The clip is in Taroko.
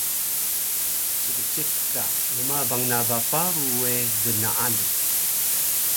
Ckceka rmabang na ba paru we gnaalu